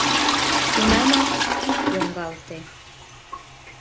Тунамак йӱк йоҥгалте: